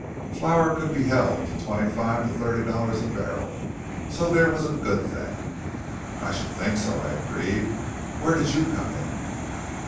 Flour could be held to twenty five to thirty dollars a barrel; so there was a good thing." "I should think so," I agreed. "Where did you come in?"